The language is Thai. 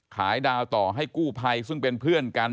ดาวต่อให้กู้ภัยซึ่งเป็นเพื่อนกัน